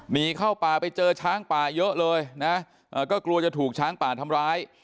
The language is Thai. หนีเข้าป่าไปเจอช้างป่าเยอะเลยนะก็กลัวจะถูกช้างป่าทำร้าย